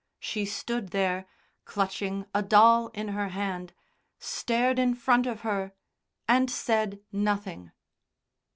She stood there, clutching a doll in her hand, stared in front of her, and said nothing.